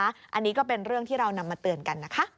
อันนี้ก็เป็นเรื่องที่เรานำมาเตือนกันนะคะ